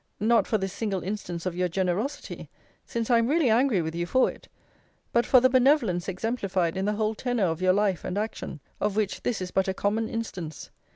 Not for this single instance of your generosity; since I am really angry with you for it; but for the benevolence exemplified in the whole tenor of your life and action; of which this is but a common instance.